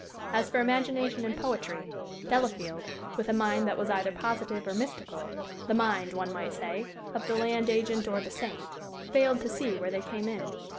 As for imagination and poetry, Delafield, with a mind that was either positive or mystical the mind, one might say, of the land agent or the saint failed to see where they came in.